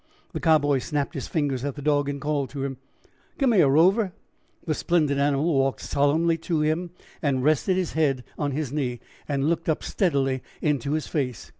The Cowboy snapped his fingers at the dog and called to him: "Come here, Rover." The splendid animal walked solemnly to him and, resting his head on his knee, looked up steadily into his face.